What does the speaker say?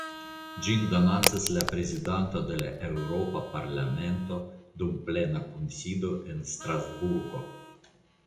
Ĝin donacas la Prezidanto de la Eŭropa Parlamento dum plena kunsido en Strasburgo.